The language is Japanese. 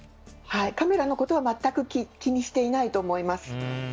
カメラのことは全く気にしていないと思います。